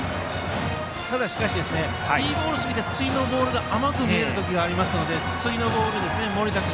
ただ、いいボールすぎて次のボールが甘く見える時がありますので次のボール、盛田君